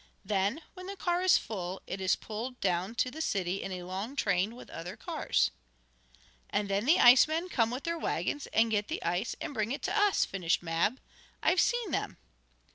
Then, when the car is full, it is pulled down to the city in a long train, with other cars." "And then the icemen come with their wagons, get the ice and bring it to us," finished Mab. "I've seen them."